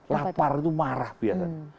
lapar itu marah biasanya